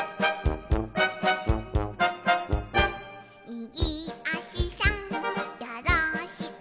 「みぎあしさんよろしくね」